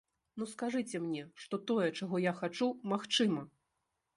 Ну скажыце мне, што тое, чаго я хачу, магчыма!